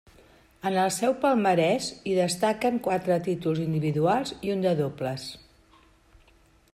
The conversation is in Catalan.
En el seu palmarès hi destaquen quatre títols individuals i un de dobles.